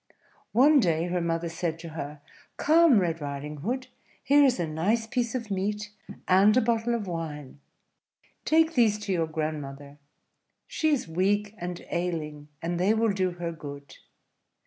One day her mother said to her, "Come, Red Riding Hood, here is a nice piece of meat, and a bottle of wine: take these to your grandmother; she is weak and ailing, and they will do her good.